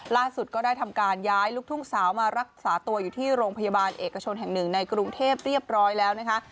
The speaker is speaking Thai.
ก็ได้ทำการย้ายลูกทุ่งสาวมารักษาตัวอยู่ที่โรงพยาบาลเอกชนแห่งหนึ่งในกรุงเทพเรียบร้อยแล้วนะคะ